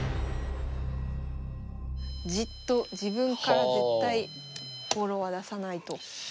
じっと自分から絶対ぼろは出さないと。